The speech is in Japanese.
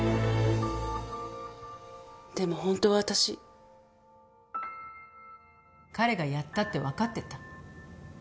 でも本当は私彼がやったってわかってた。